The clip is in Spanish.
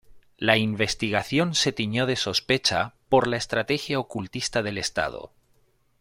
La investigación se tiñó de sospecha por la estrategia ocultista del Estado.